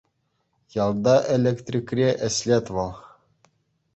Ялта электрикре ӗҫлет вӑл.